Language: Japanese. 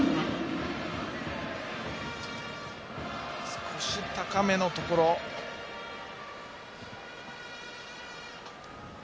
少し高めのところでした。